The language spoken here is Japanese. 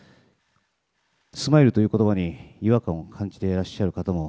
スマイルという言葉に違和感を感じていらっしゃる方も